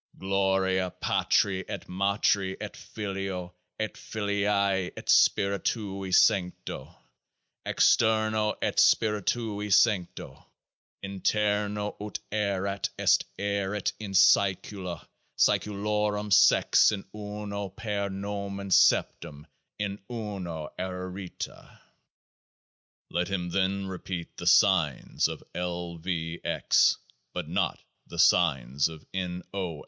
GLORIA PATRI ET MATRI ET FILIO ET FILIAE ET SPIRITUI SANCTO EXTERNO ET SPIRITUI SANCTO INTERNO UT ERAT EST ERIT IN SAECULA SAECULORUM SEX IN UNO PER NOMEN SEPTEM IN UNO ARARITA. Let him then repeat the signs of L. V. X. but not the signs of N.O.